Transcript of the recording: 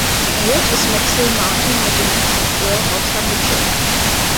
Liiert ist Maxwell Martin mit dem Regisseur Roger Michell.